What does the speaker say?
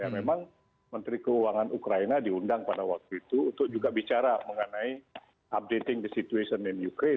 memang menteri keuangan ukraina diundang pada waktu itu untuk juga bicara mengenai updating the situation and ukraine